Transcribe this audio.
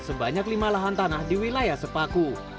sebanyak lima lahan tanah di wilayah sepaku